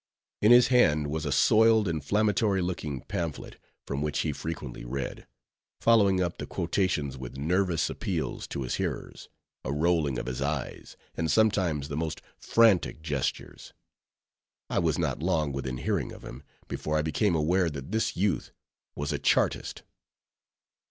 In his hand was a soiled, inflammatory looking pamphlet, from which he frequently read; following up the quotations with nervous appeals to his hearers, a rolling of his eyes, and sometimes the most frantic gestures. I was not long within hearing of him, before I became aware that this youth was a Chartist.